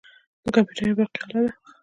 کمپیوتر یوه برقي اله ده.